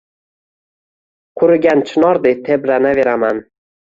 qurigan chinorday tebranaveraman.